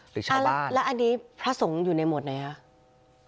หรือชาวบ้านแล้วอันนี้พระสงฆ์อยู่ในหมวดไหนครับ